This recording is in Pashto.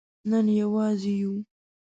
نن یوازې یو